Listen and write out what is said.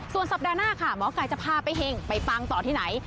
ส่วนสัปดาห์หน้าค่ะหมอไก่จะพาไปเห็งไปปังต่อที่ไหน